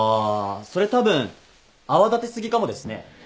それたぶん泡立て過ぎかもですね。